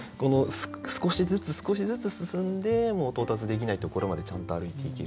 少しずつ少しずつ進んで到達できないところまでちゃんと歩いていける。